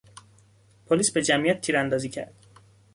پلیس به جمعیت تیر اندازی کرد.